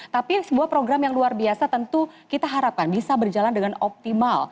tapi sebuah program yang luar biasa tentu kita harapkan bisa berjalan dengan optimal